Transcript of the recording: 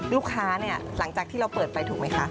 ลูกค้าเนี่ยหลังจากที่เราเปิดไปถูกไหมคะ